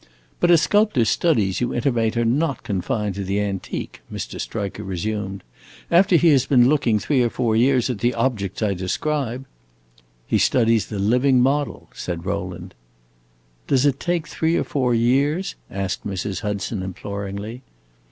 "But a sculptor's studies, you intimate, are not confined to the antique," Mr. Striker resumed. "After he has been looking three or four years at the objects I describe" "He studies the living model," said Rowland. "Does it take three or four years?" asked Mrs. Hudson, imploringly.